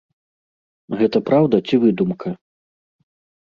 Гэта праўда ці выдумка?